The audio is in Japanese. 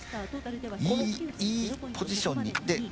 いいポジションに。